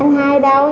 anh hai đâu